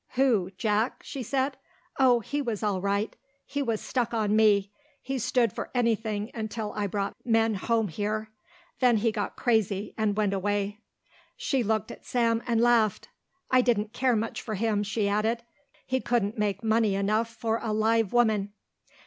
"Who? Jack?" she said. "Oh, he was all right. He was stuck on me. He stood for anything until I brought men home here. Then he got crazy and went away." She looked at Sam and laughed. "I didn't care much for him," she added. "He couldn't make money enough for a live woman."